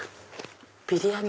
ビリヤニ